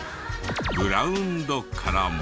グラウンドからも。